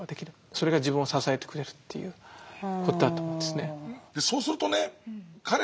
それが自分を支えてくれるということだと思うんですね。